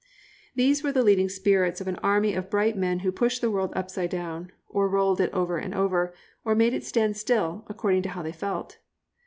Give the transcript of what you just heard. They were the leading spirits of an army of bright men who pushed the world upside down, or rolled it over and over, or made it stand still, according to how they felt.